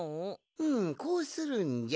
ふんこうするんじゃ。